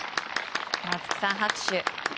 松木さん、拍手。